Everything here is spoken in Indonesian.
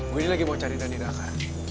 gua ini lagi mau cari dhani raka